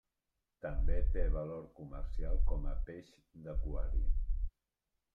També té valor comercial com a peix d'aquari.